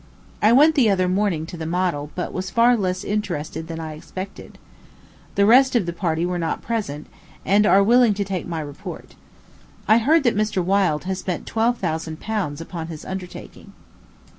I went the other morning to the model, but was far less interested than I expected. The rest of the party were not present, and are willing to take my report. I heard that Mr. Wyld has spent twelve thousand pounds upon his undertaking.